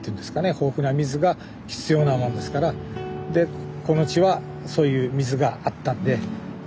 豊富な水が必要なもんですからでこの地はそういう水があったんでで